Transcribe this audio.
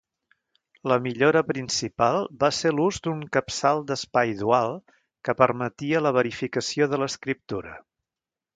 La millora principal va ser l'ús d'un capçal d'espai dual que permetia la verificació de l'escriptura.